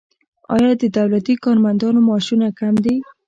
آیا د دولتي کارمندانو معاشونه کم دي؟